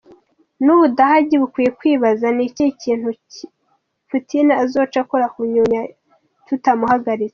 N'Ubudagi bukwiye kwibaza: N'ikihe kindi kintu Putin azoca akora mu nyuma tutamuhagaritse?".